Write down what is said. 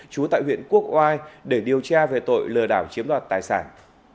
trú tại huyện quốc oai để điều tra về tội lừa đảo chiếm đoạt tài sản